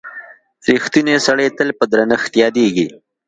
• رښتینی سړی تل په درنښت یادیږي.